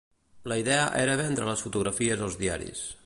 La idea era vendre les fotografies als diaris.